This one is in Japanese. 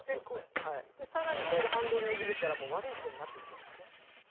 さらにそれでハンドル握るから悪い姿勢になってしまうんですね。